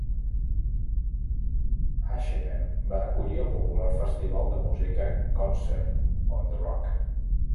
Hachimen va acollir el popular festival de música Concert on the Rock.